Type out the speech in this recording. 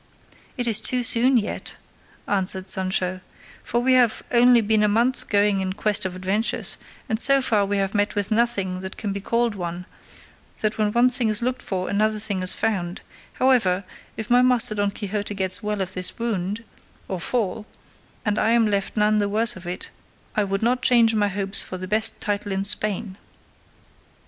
"It is too soon yet," answered Sancho, "for we have only been a month going in quest of adventures, and so far we have met with nothing that can be called one, for it will happen that when one thing is looked for another thing is found; however, if my master Don Quixote gets well of this wound, or fall, and I am left none the worse of it, I would not change my hopes for the best title in Spain."